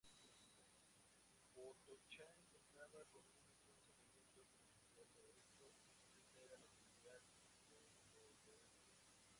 Potonchán contaba con un intenso movimiento comercial, de hecho, esta era la actividad preponderante.